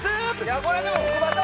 これ、でも福場さん